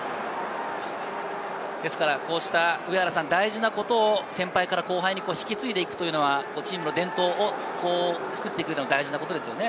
こうした、上原さん、大事なことを先輩から後輩に引き継いでいくというのは、チームの伝統をつくっていくのは大事な事ですね。